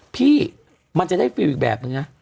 พี่มันจะได้รู้สึกอีกแบบนึงนะ